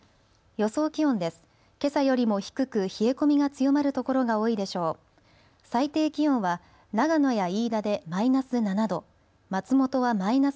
予想気温です。